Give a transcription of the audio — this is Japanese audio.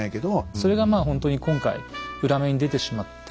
それがまあほんとに今回裏目に出てしまって。